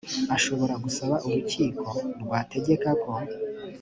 ashobora gusaba urukiko rwategeka ko